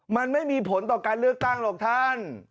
มันไม่มีผลต่อการเลือกตั้งหรอกท่าน